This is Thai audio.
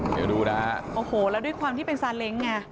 เดี๋ยวดูนะฮะโอ้โหแล้วด้วยความที่เป็นซาเล้งไง